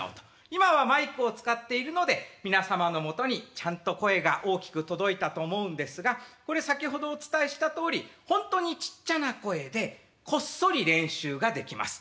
今はマイクを使っているので皆様のもとにちゃんと声が大きく届いたと思うんですがこれ先ほどお伝えしたとおりほんとにちっちゃな声でこっそり練習ができます。